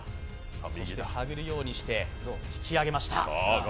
そして探るようにして引き上げました。